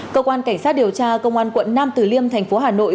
cơ quan cảnh sát điều tra công an quận nam từ liêm thành phố hà nội